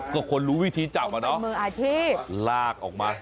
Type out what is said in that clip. ก็คนรู้วิธีจับอ่ะเนาะมืองอาชีพ